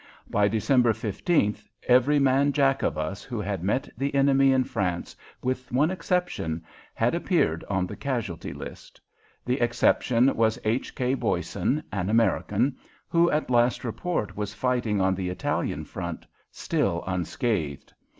By December 15th every man Jack of us who had met the enemy in France, with one exception, had appeared on the casualty list. The exception was H. K. Boysen, an American, who at last report was fighting on the Italian front, still unscathed.